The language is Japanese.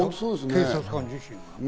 警察官自身が。